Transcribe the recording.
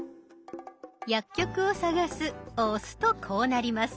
「薬局をさがす」を押すとこうなります。